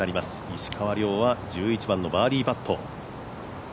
石川遼は１１番のバーディーパット。